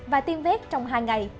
và tiêm vết trong hai ngày